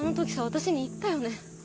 私に言ったよね。